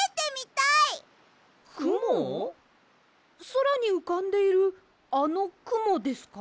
そらにうかんでいるあのくもですか？